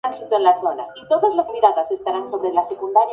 Esta leyenda es muy conocida en Estados Unidos, Colombia, Italia y España.